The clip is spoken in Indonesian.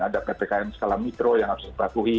ada ppkn skala mikro yang harus dilakui